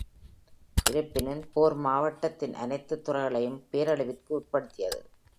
இருப்பினும், போர் மாவட்டத்தின் அனைத்து துறைகளையும் பேரழிவிற்கு உட்படுத்தியது.